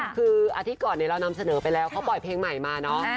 คืออาทิตย์ก่อนเรานำเสนอไปแล้วเขาปล่อยเพลงใหม่มาเนอะ